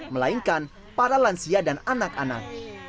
melainkan para lansia dan anak anak